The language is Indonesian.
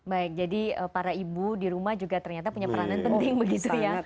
baik jadi para ibu di rumah juga ternyata punya peranan penting begitu ya